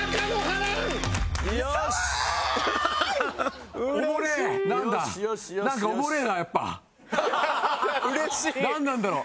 なんなんだろう？